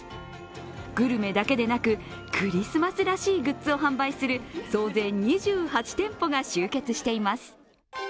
グルメだけでなくクリスマスらしいグッズを販売する総勢２８店舗が集結しています。